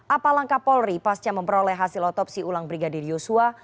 apa langkah polri pasca memperoleh hasil otopsi ulang brigadir yosua